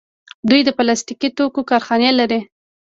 دوی د پلاستیکي توکو کارخانې لري.